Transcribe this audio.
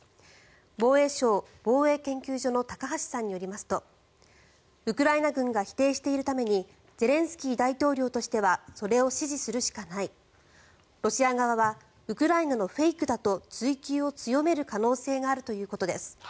防衛省防衛研究所の高橋さんによりますとウクライナ軍が否定しているためにゼレンスキー大統領としてはそれを支持するしかないロシア側はウクライナのフェイクだと追及を強める可能性があるということです。